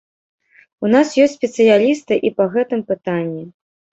У нас ёсць спецыялісты і па гэтым пытанні.